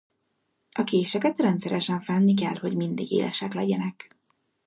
A késeket rendszeresen fenni kell, hogy mindig élesek legyenek.